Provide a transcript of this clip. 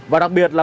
và đặc biệt là